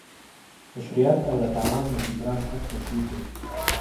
مشروعیت او د تاوان د جبران حق پکې دی.